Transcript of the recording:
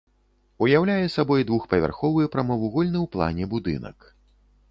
Уяўляе сабой двухпавярховы, прамавугольны ў плане будынак.